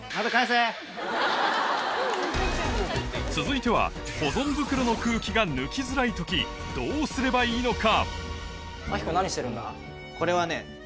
続いては保存袋の空気が抜きづらい時どうすればいいのか？